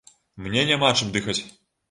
Мне няма чым дыхаць.